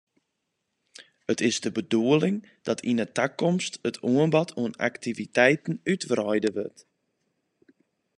It is de bedoeling dat yn 'e takomst it oanbod oan aktiviteiten útwreide wurdt.